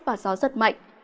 có gió rất mạnh